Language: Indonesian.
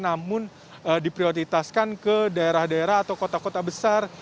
namun diprioritaskan ke daerah daerah atau kota kota besar